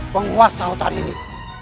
penguasa hutan ini